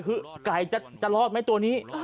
กลัวไก่จะรอดแม้ตัวนี้